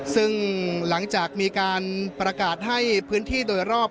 ซึ่งหลังจากมีการประกาศให้พื้นที่โดยรอบ